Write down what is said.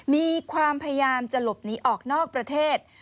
มีความพยายามจะหลบหนีออกนอกประเทศ